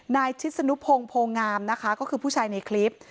ชิศนุพงศ์โพงามนะคะก็คือผู้ชายในคลิป